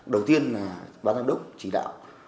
đầu tiên là ban giám đốc chỉ đạo